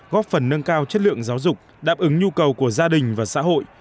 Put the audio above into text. góp phần nâng cao chất lượng giáo dục đáp ứng nhu cầu của gia đình và xã hội